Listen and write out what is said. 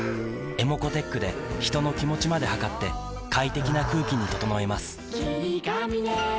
ｅｍｏｃｏーｔｅｃｈで人の気持ちまで測って快適な空気に整えます三菱電機